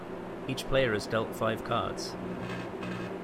Each player is dealt five cards.